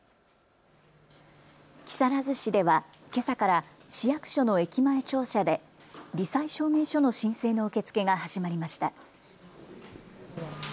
木更津市ではけさから市役所の駅前庁舎でり災証明書の申請の受け付けが始まりました。